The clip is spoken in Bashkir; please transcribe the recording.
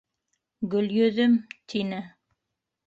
— Гөлйөҙөм, — тине.